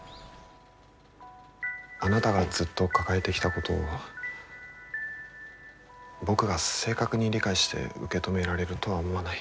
あなたがずっと抱えてきたことを僕が正確に理解して受け止められるとは思わない。